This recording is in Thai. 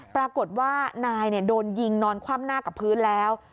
ปรากฏว่านายโดนยิงนอนคว่ำหน้ากับพื้นแล้ว